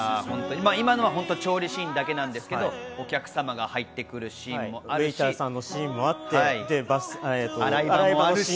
今のは本当に調理シーンだけなんですけど、お客様が入ってくるシーンもあるし。